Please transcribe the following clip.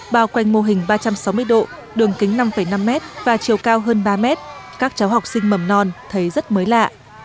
bao quanh mô hình ba trăm sáu mươi độ đường kính năm năm m và chiều cao hơn ba mét các cháu học sinh mầm non thấy rất mới lạ